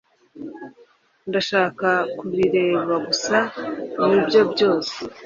Ndashaka kubireba gusa, nibyo byose.